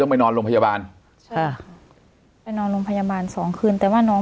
ต้องไปนอนลงพยาบาลค่ะไปนอนลงพยาบาลสองคืนแต่ว่าน้อง